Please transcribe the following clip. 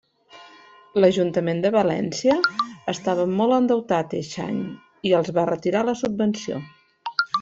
L'Ajuntament de València estava molt endeutat eixe any i els va retirar la subvenció.